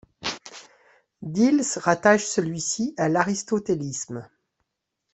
Diels rattache celui-ci à l'aristotélisme.